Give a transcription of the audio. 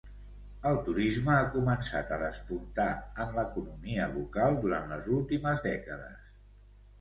El turisme ha començat a despuntar en l'economia local durant les últimes dècades.